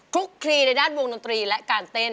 ลุกคลีในด้านวงดนตรีและการเต้น